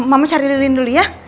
mama cari lilin dulu ya